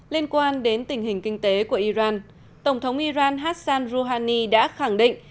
liên quan đến tình hình kinh tế của iran tổng thống iran hassan rouhani đã khẳng định